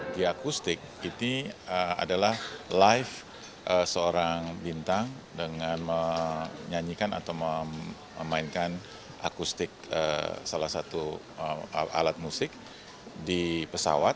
giakustik ini adalah live seorang bintang dengan menyanyikan atau memainkan akustik salah satu alat musik di pesawat